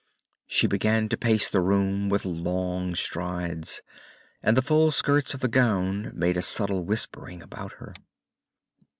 She began to pace the room with long strides, and the full skirts of the gown made a subtle whispering about her.